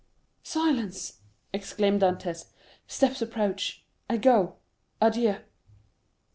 "Silence!" exclaimed Dantès. "Steps approach—I go—adieu!"